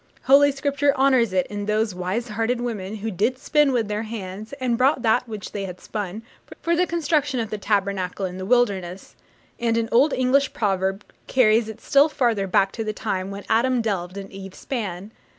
Holy Scripture honours it in those 'wise hearted women' who 'did spin with their hands, and brought that which they had spun' for the construction of the Tabernacle in the wilderness: and an old English proverb carries it still farther back to the time 'when Adam delved and Eve span.'